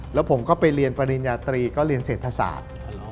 แล้วผมก็ไปเรียนปริญญาตรีก็เรียนเศรษฐศาสตร์